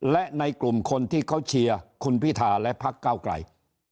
และในกลุ่มคนที่เขาเชียร์คุณพิธาและพักเก้าไกล